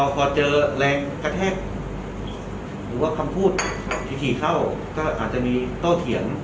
พอเจอแรงกระแทกหรือว่าคำพูดที่ขี่เข้าก็อาจจะมีโต้เถียง